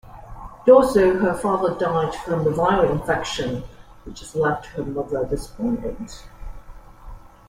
Also, her father died from a viral infection, which has left her mother despondent.